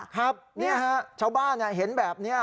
ครับนี่ฮะชาวบ้านเห็นแบบนี้